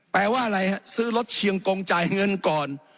แปลว่าอะไรฮะซื้อรถเชียงกงจ่ายเงินก่อน